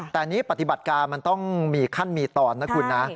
แต่นี่ปฏิบัติการมันต้องมีขั้นมีตอนนะคุณนะ